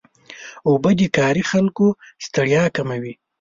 اوبه د کاري خلکو ستړیا کموي.